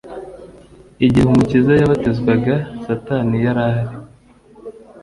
Igihe Umukiza yabatizwaga, Satani yari ahari.